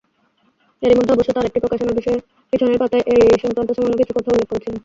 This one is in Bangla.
এর মধ্যে অবশ্য তার একটি প্রকাশনার পিছনের পাতায় এ সংক্রান্ত সামান্য কিছু কথা উল্লেখ করেছিলেন।